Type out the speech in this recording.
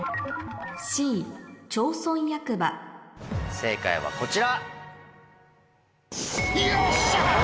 正解はこちら。